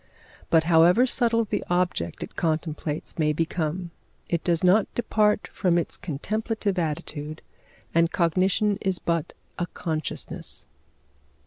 But however subtle the object it contemplates may become, it does not depart from its contemplative attitude, and cognition is but a consciousness.